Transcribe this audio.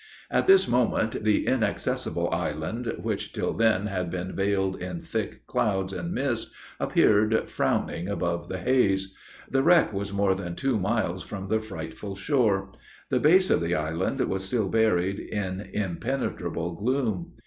At this moment the Inaccessible Island, which till then had been vailed in thick clouds and mist, appeared frowning above the haze. The wreck was more than two miles from the frightful shore. The base of the island was still buried in impenetrable gloom.